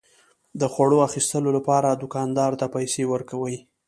د خوړو اخیستلو لپاره دوکاندار ته پيسى ورکوي.